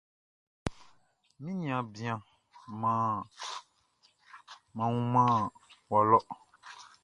Mi niaan bian, mʼan wunman wɔ lɔ.